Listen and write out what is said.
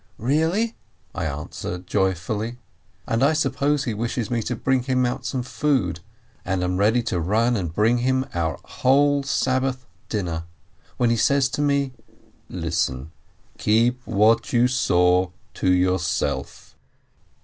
"Really ?" I answer joyfully, and I suppose he wishes me to bring him out some food, and I am ready to run and bring him our whole Sabbath dinner, when he says to me: "Listen, keep what you saw to yourself."